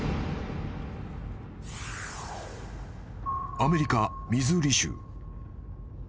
［アメリカミズーリ州］